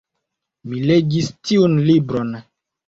Mi legis tiun libron.